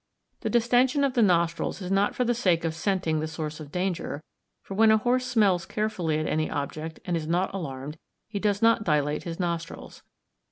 The distension of the nostrils is not for the sake of scenting the source of danger, for when a horse smells carefully at any object and is not alarmed, he does not dilate his nostrils.